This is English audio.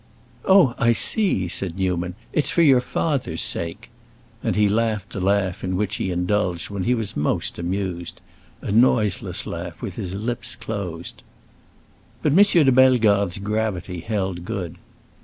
"Oh, I see," said Newman. "It's for your father's sake." And he laughed the laugh in which he indulged when he was most amused—a noiseless laugh, with his lips closed. But M. de Bellegarde's gravity held good.